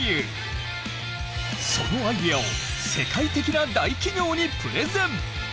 そのアイデアを世界的な大企業にプレゼン。